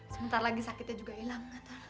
sebentar lagi sakitnya juga hilang